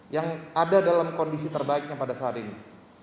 yang ada dalam kondisi terbaiknya pada saat ini